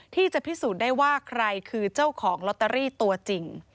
ที่จะพิสูจน์ได้ว่าใครคือเจ้าของลอตเตอรี่ตัวจริง